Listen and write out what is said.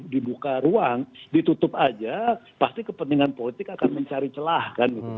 dibuka ruang ditutup aja pasti kepentingan politik akan mencari celah kan gitu